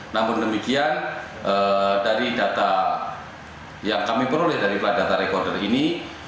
namun demikian dari data yang kami peroleh dari flight data recorder ini